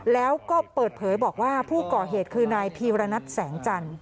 แล้วก็เปิดเผยบอกว่าผู้ก่อเหตุคือนายพีรณัทแสงจันทร์